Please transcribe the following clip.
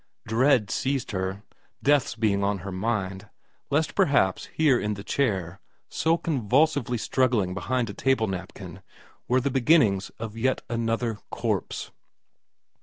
Dread seized her, deaths being on her mind, lest perhaps here in the chair, so convulsively struggling behind a table napkin, were the beginnings of yet another corpse.